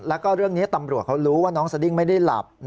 แล้วก็เรื่องนี้ตำรวจเขารู้ว่าน้องสดิ้งไม่ได้หลับ